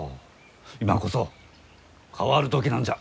今こそ変わる時なんじゃ。